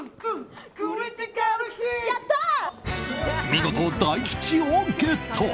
見事、大吉をゲット！